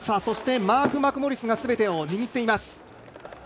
マーク・マクモリスがすべてを握っています。